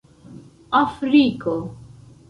Afriko